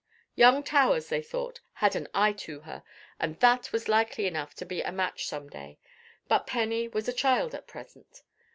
Young Towers, they thought, had an eye to her, and that was likely enough to be a match some day; but Penny was a child at present.